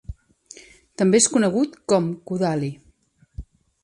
També és conegut com Kudali.